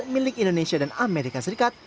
milik indonesia dan amerika serikat